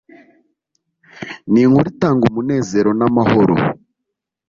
ni inkuru itanga umunezero n’amahoro